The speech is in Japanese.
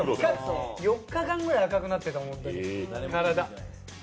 ４日間ぐらい赤くなってたもんね、体。